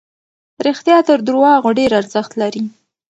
رښتیا تر درواغو ډېر ارزښت لري.